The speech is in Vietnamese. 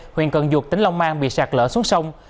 huyện cần duột tỉnh long mang bị sạt lỡ xuống sông